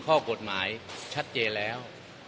ข้อกฎหมายชัดเจนแล้ว